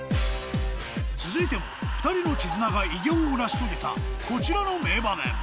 続いても２人の絆が偉業を成し遂げたこちらの名場面